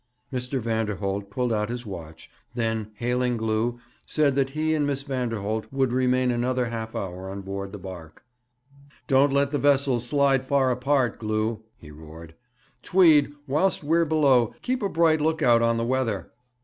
Mr. Vanderholt pulled out his watch, then, hailing Glew, said that he and Miss Vanderholt would remain another half hour on board the barque. 'Don't let the vessels slide far apart, Glew!' he roared. 'Tweed, whilst we're below keep a bright look out on the weather.'